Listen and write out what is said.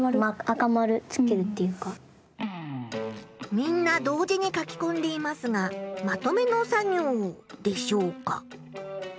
みんな同時に書きこんでいますがまとめの作業でしょうか？